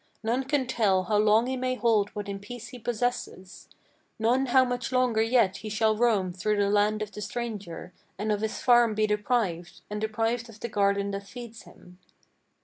None can tell how long he may hold what in peace he possesses, None how much longer yet he shall roam through the land of the stranger, And of his farm be deprived, and deprived of the garden that feeds him."